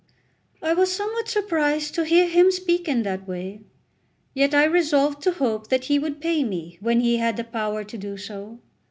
I was somewhat surprised to hear him speak in that way; yet I resolved to hope that he would pay me when he had the power to do so.